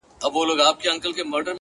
خاموش پرمختګ تر ښکاره خبرو قوي دی.!